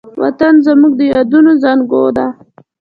وطن زموږ د یادونو زانګو ده.